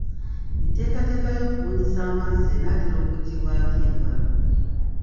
Enteekateeka y'okubunyisa amazzi enaatera okuggyibwako engalo.